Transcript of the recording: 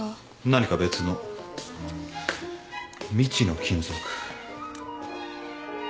何か別の未知の金属。